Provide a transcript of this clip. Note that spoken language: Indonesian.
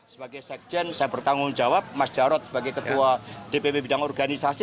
sebagai sekjen saya bertanggung jawab mas jarod sebagai ketua dpp bidang organisasi